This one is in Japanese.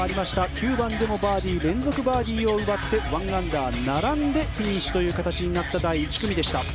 ９番でもバーディー連続バーディーを奪って１アンダー、並んでフィニッシュという形になった第１組でした。